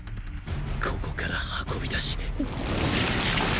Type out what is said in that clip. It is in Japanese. ここから運び出し！